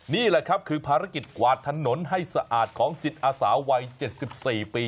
นี่แหละครับคือภารกิจกวาดถนนให้สะอาดของจิตอาสาวัย๗๔ปี